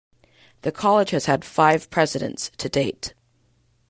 The college has had five presidents to date.